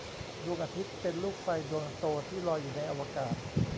ดวงอาทิตย์เป็นลูกไฟดวงโตที่ลอยอยู่ในอวกาศ